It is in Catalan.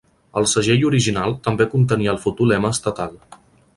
El segell original també contenia el futur lema estatal.